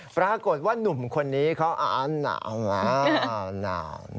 ปรากฏว่านุ่มคนนี้เขา